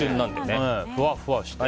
ふわふわして。